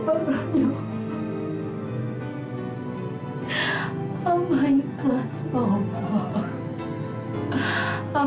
saya ingin menjaga bapak